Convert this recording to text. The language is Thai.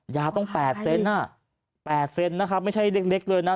ยาต้อง๘เซนต์ไม่ใช่เล็กเลยนะ